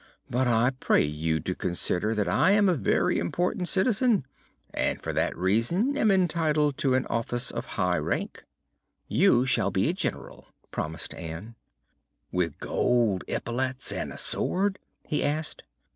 "But I pray you to consider that I am a very important citizen, and for that reason am entitled to an office of high rank." "You shall be a General," promised Ann. "With gold epaulets and a sword?" he asked.